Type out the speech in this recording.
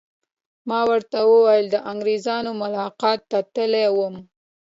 ما ورته وویل: د انګریزانو ملاقات ته تللی وم.